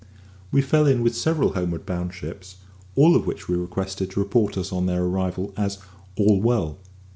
We fell in with several homeward bound ships, all of whom we requested to report us on their arrival as "all well."